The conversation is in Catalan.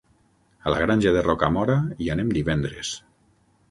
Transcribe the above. A la Granja de Rocamora hi anem divendres.